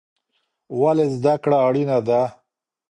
ولې زده کړه اړینه ده؟